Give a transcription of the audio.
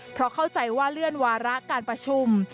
เพราะเข้าใจว่าเลื่อนวาระการประชุม